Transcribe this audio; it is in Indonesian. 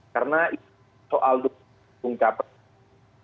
karena soal dukungan pencapaian